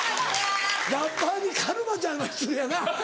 ラッパーに「カルマちゃん」は失礼やな。